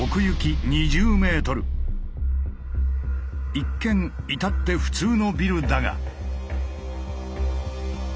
一見至って普通のビルだが。